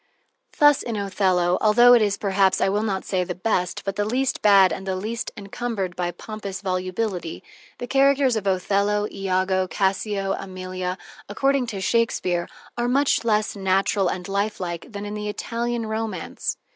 Thus, in "Othello," altho that is, perhaps, I will not say the best, but the least bad and the least encumbered by pompous volubility, the characters of Othello, Iago, Cassio, Emilia, according to Shakespeare, are much less natural and lifelike than in the Italian romance.